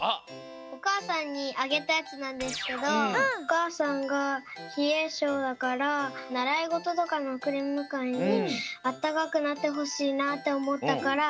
おかあさんにあげたやつなんですけどおかあさんがひえしょうだからならいごととかのおくりむかえにあったかくなってほしいなっておもったから。